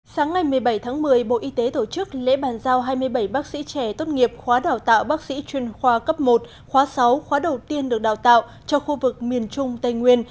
sáng ngày một mươi bảy tháng một mươi bộ y tế tổ chức lễ bàn giao hai mươi bảy bác sĩ trẻ tốt nghiệp khóa đào tạo bác sĩ chuyên khoa cấp một khóa sáu khóa đầu tiên được đào tạo cho khu vực miền trung tây nguyên